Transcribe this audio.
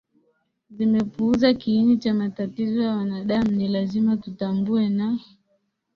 zimepuuza kiini cha matatizo ya wanadamuNi lazima tutambue na